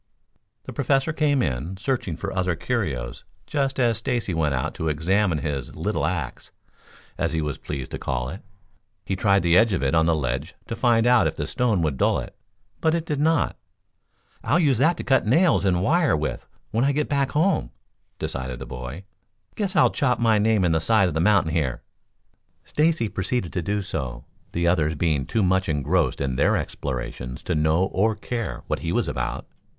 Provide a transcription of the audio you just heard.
The Professor came in, searching for other curios just as Stacy went out to examine his "little axe," as he was pleased to call it. He tried the edge of it on the ledge to find out if the stone would dull it, but it did not. "I'll use that to cut nails and wire with when I get back home," decided the boy. "Guess I'll chop my name in the side of the mountain here." Stacy proceeded to do so, the others being too much engrossed in their explorations to know or care what he was about.